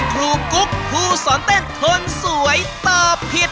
คุณครูกุ๊กผู้สอนเต้นทนสวยต่อผิด